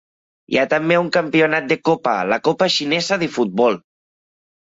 Hi ha també un campionat de copa, la Copa xinesa de futbol.